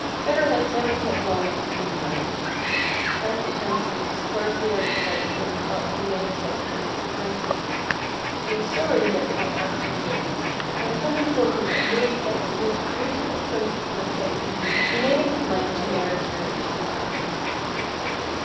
Feather Head never kept long of the same mind. Fancy Tansy was scarcely out of sight when he thought he might as well have married the Princess. He was sorry lie had not asked her name, but when some one told him that Ruby was the most beautiful Princess living, he made up his mind to marry her if she would have him.